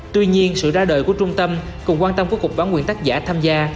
tuy nhiên sự ra đời của trung tâm cùng quan tâm của cục bản quyền tác giả tham gia